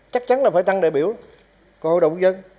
chắc chắn là phải tăng đại biểu của hội đồng dân